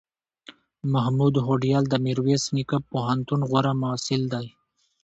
محمود هوډیال دمیرویس نیکه پوهنتون غوره محصل دی